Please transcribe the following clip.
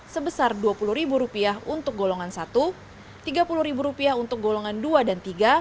sebesar rp dua puluh untuk golongan satu rp tiga puluh untuk golongan dua dan tiga